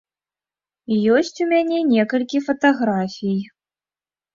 Ёсць у мяне некалькі фатаграфій.